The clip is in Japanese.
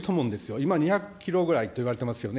今、２００キロぐらいといわれてますよね。